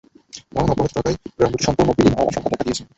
ভাঙন অব্যাহত থাকায় গ্রাম দুটি সম্পূর্ণ বিলীন হওয়ার আশঙ্কা দেখা দিয়েছে।